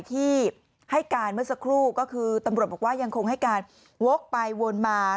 ที่ให้การเมื่อสักครู่ก็คือตำรวจบอกว่ายังคงให้การวกไปวนมา